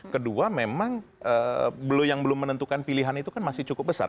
kedua memang yang belum menentukan pilihan itu kan masih cukup besar